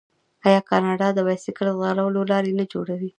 آیا کاناډا د بایسکل ځغلولو لارې نه جوړوي؟